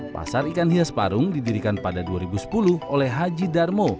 pasar ikan hias parung didirikan pada dua ribu sepuluh oleh haji darmo